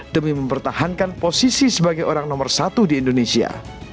demi mempertahankan posisi sebagai orang nomor satu di indonesia